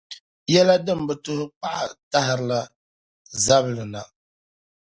Yɛla din bi tuhi kpaɣa tahiri zabili na.